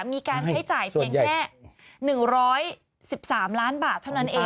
มีการใช้จ่ายเพียงแค่๑๑๓ล้านบาทเท่านั้นเอง